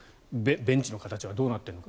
ベンチの形はどうなってるのか。